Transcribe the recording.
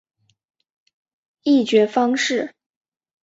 议决方式